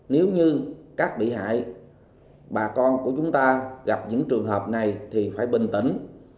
nếu như các bị hại bà con của chúng ta gặp những trường hợp này thì phải bình tĩnh